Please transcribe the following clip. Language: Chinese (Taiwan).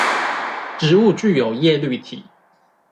植物具有葉綠體